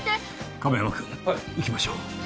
亀山君、行きましょう。